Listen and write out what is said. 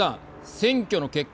選挙の結果